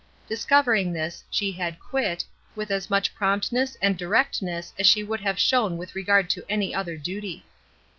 Discovering this, she had "quit," with as much promptness and di rectness as she would have shown with regard to any other duty.